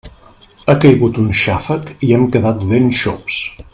Ha caigut un xàfec i hem quedat ben xops!